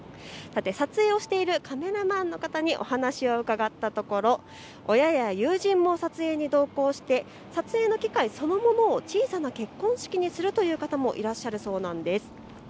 撮影をしているカメラマンの方にお話を伺ったところ親や友人も撮影に同行して撮影の機会そのものを小さな結婚式にするという方もいらっしゃるそうなんです。